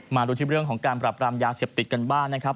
มาดูที่เรื่องของการปรับรามยาเสพติดกันบ้างนะครับ